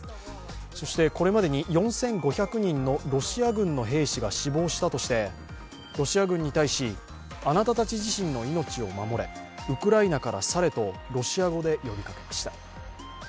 そして、これまでに４５００人のロシア軍の兵士が死亡したとしてロシア軍に対し、あなたたち自身の命を守れ、ウクライナから去れとロシア語で呼びかけました。